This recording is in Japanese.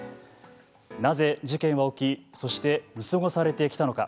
なぜ事件は起きそして、見過ごされてきたのか。